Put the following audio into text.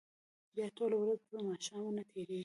بیا ټوله ورځ پر ما ښه نه تېرېږي.